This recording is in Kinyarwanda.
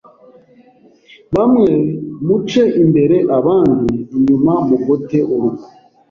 bamwe muce imbere abandi inyuma mugote urugo.